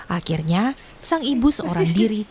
akhirnya sang ibu seorang diri